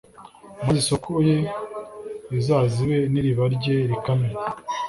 maze isoko ye izazibe n’iriba rye rikame.